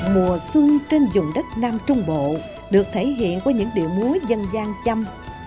mùa xuân trên dùng đất nam trung bộ được thể hiện qua những điệu múa dân gian châm